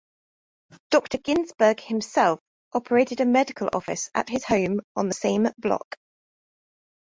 Doctor Ginsberg himself operated a medical office at his home on the same block.